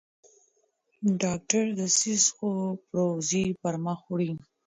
ډاکټر ډسیس څو پروژې پرمخ وړي.